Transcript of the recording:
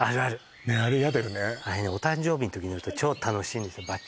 あれねお誕生日の時乗ると超楽しいんですよ